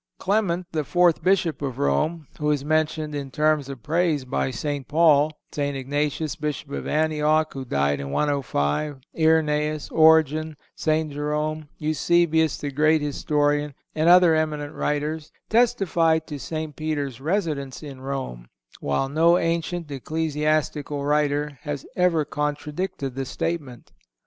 Clement, the fourth Bishop of Rome, who is mentioned in terms of praise by St. Paul; St. Ignatius, Bishop of Antioch, who died in 105; Irenæus, Origen, St. Jerome, Eusebius, the great historian, and other eminent writers testify to St. Peter's residence in Rome, while no ancient ecclesiastical writer has ever contradicted the statement.